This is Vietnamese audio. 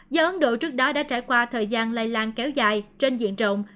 do ấn độ trước đó đã trải qua thời gian lây lan kéo dài trên diện rộng